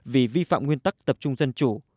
vì vi phạm nguyên tắc tập trung dân chủ